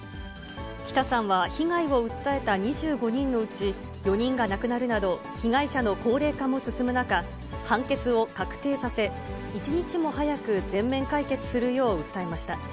北さんは、被害を訴えた２５人のうち、４人が亡くなるなど、被害者の高齢化も進む中、判決を確定させ、一日も早く全面解決するよう訴えました。